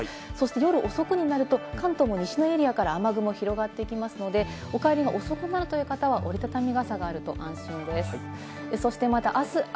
夜遅くになると、関東も西のエリアから雨雲が広がってきますので、お帰りが遅くなるという方は、折り畳み傘があると安心です。